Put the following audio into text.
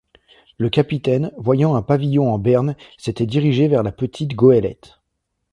Le capitaine, voyant un pavillon en berne, s’était dirigé vers la petite goëlette.